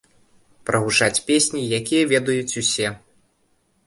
Прагучаць песні, якія ведаюць усе.